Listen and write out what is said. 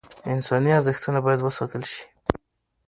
انساني ارزښتونه باید وساتل شي.